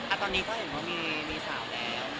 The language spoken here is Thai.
ตอนนี้ก็เห็นว่ามีสาวแล้ว